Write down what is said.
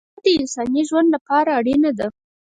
غوا د انساني ژوند لپاره اړینه ده.